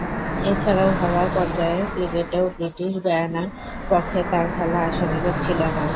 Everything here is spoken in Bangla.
এছাড়াও, ঘরোয়া পর্যায়ের ক্রিকেটেও ব্রিটিশ গায়ানার পক্ষে তার খেলা আশানুরূপ ছিল না।